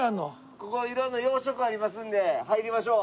ここは色んな洋食がありますので入りましょう。